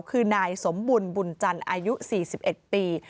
คือนายสมบุญบุญจันทร์อายุ๔๑ปี